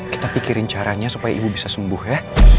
kita pikirin caranya supaya ibu bisa sembuh ya